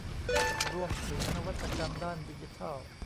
ร่วมถึงนวัตกรรมด้านดิจิทัล